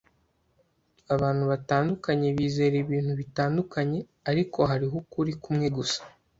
Abantu batandukanye bizera ibintu bitandukanye, ariko hariho ukuri kumwe gusa.